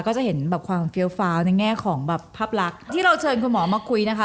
ก็จะเห็นแบบความเฟี้ยวฟ้าวในแง่ของแบบภาพลักษณ์ที่เราเชิญคุณหมอมาคุยนะคะ